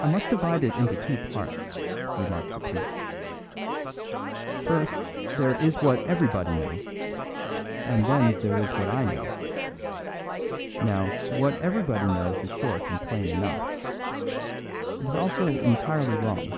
"I must divide it into two parts," remarked the priest. "First there is what everybody knows; and then there is what I know. Now, what everybody knows is short and plain enough. It is also entirely wrong."